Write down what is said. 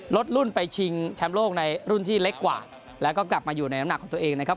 รุ่นไปชิงแชมป์โลกในรุ่นที่เล็กกว่าแล้วก็กลับมาอยู่ในน้ำหนักของตัวเองนะครับ